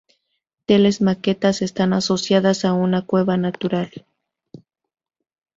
Tales maquetas están asociadas a una cueva natural.